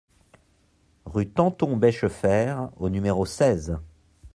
Rue Tanton-Bechefer au numéro seize